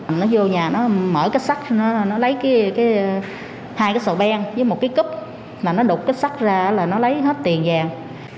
nó vô nhà nó mở kết sắt nó lấy hai cái sầu ben với một cái cúp mà nó đục kết sắt ra là nó lấy hết tiền vàng